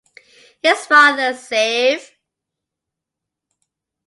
Is father safe?